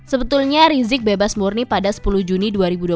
sebetulnya rizik bebas murni pada sepuluh juni dua ribu dua puluh